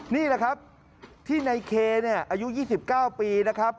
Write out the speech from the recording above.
นี่แหละครับที่ในเคอายุ๒๙ปีนะครับ